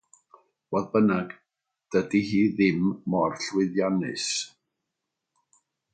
Fodd bynnag, dydy hi ddim mor llwyddiannus.